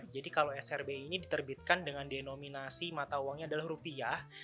jadi kalau srbi ini diterbitkan dengan denominasi mata uangnya adalah rupiah